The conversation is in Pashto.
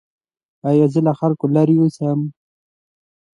ایا زه له خلکو لرې اوسم؟